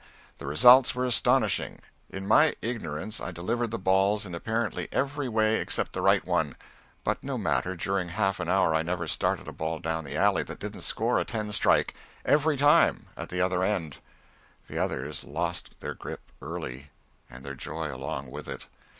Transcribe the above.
The results were astonishing. In my ignorance I delivered the balls in apparently every way except the right one; but no matter during half an hour I never started a ball down the alley that didn't score a ten strike, every time, at the other end. The others lost their grip early, and their joy along with it.